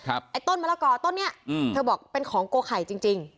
ไอ้ต้นมะละกอต้นนี้เธอบอกเป็นของโกไข่จริง